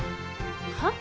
はっ？